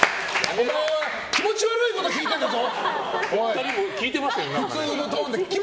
お前は気持ち悪いこと聞いてんだぞ！